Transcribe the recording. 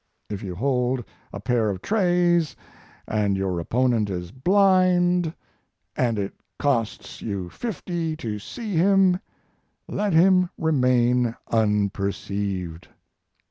If you hold a pair of trays, and your opponent is blind, and it costs you fifty to see him, let him remain unperceived.